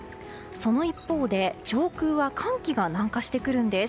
その一方で、上空は寒気が南下してくるんです。